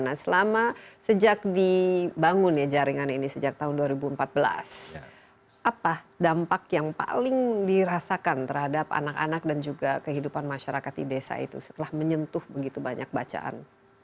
nah selama sejak dibangun ya jaringan ini sejak tahun dua ribu empat belas apa dampak yang paling dirasakan terhadap anak anak dan juga kehidupan masyarakat di desa itu setelah menyentuh begitu banyak bacaan